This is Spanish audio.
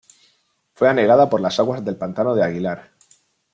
Fue anegada por las aguas del Pantano de Aguilar.